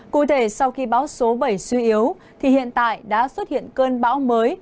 cụ thể sau khi bão số bảy suy yếu thì hiện tại đã xuất hiện cơn bão mới